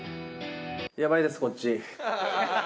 やばいですこっち。